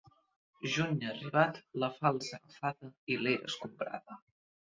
Juny arribat, la falç agafada i l'era escombrada.